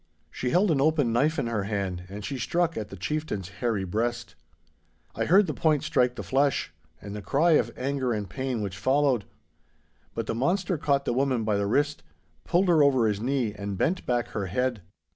She held an open knife in her hand, and she struck at the chieftain's hairy breast. I heard the point strike the flesh, and the cry of anger and pain which followed. But the monster caught the woman by the wrist, pulled her over his knee, and bent back her head.